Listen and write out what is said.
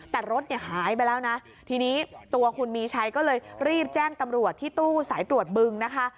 แต่รถเนี่ยหายไปแล้วนะทีนี้ตัวคุณมีชัยก็เลยรีบแจ้งตำรวจที่ตู้สายตรวจบึงนะคะ